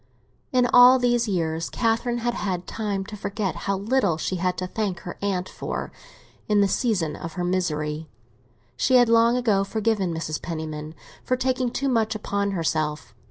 In all these years Catherine had had time to forget how little she had to thank her aunt for in the season of her misery; she had long ago forgiven Mrs. Penniman for taking too much upon herself.